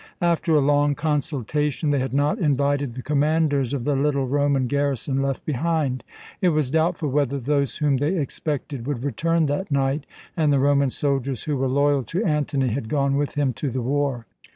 After a long consultation they had not invited the commanders of the little Roman garrison left behind. It was doubtful whether those whom they expected would return that night, and the Roman soldiers who were loyal to Antony had gone with him to the war.